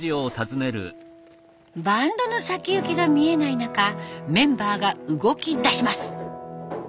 バンドの先行きが見えない中メンバーが動きだします。